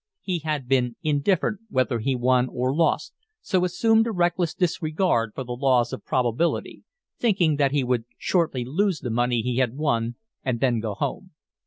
He had been indifferent whether he won or lost, so assumed a reckless disregard for the laws of probability, thinking that he would shortly lose the money he had won and then go home.